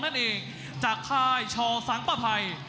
นั่นเองจากค่ายชอสังประภัย